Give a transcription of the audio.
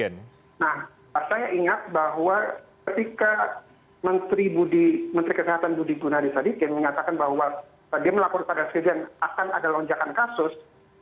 nah saya ingat bahwa ketika menteri kesehatan budi gunadisadigen mengatakan bahwa dia melakukan pada segera akan ada lonjakan kasus